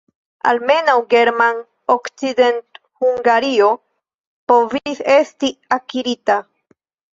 Almenaŭ German-Okcidenthungario povis esti akirita.